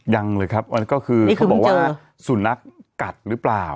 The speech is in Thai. อย่างเลยครับก็คือพี่บ้าบอกว่าสูรนักกัดหรือเปล่า